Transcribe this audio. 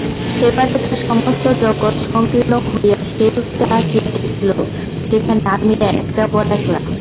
এবারে তার সমস্ত জগৎ সংকীর্ণ হইয়া সেইটুকুতে আসিয়া ঠেকিল যেখানে আমিই কেবল একলা।